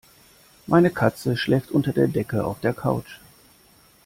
Meine Katze schläft unter der Decke auf der Couch.